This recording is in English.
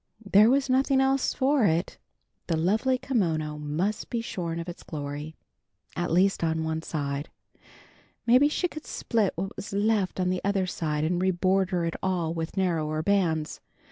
There was nothing else for it, the lovely kimono must be shorn of its glory, at least on one side. Maybe she could split what was left on the other side, and reborder it all with narrower bands.